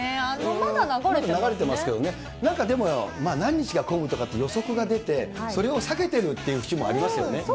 まだ流れてますけどね、なんかでも、何日が混むとかって、予測出て、それを避けてるってこともありますよね。